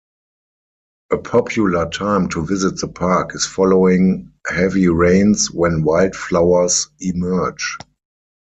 A popular time to visit the park is following heavy rains when wildflowers emerge.